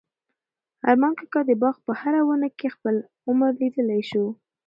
ارمان کاکا د باغ په هره ونه کې خپل عمر لیدلی شو.